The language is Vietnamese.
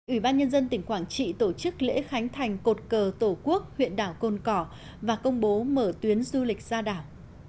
ủy ban nhân dân tỉnh quảng trị tổ chức lễ khánh thành cột cờ tổ quốc huyện đảo cồn cỏ và công bố mở tuyến du lịch ra đảo